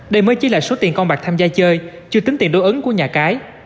đây mới chỉ là số tiền con bạc tham gia chơi chưa tính tiền đối ứng của nhà cái